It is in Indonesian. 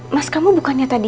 mas kamu bukannya tadi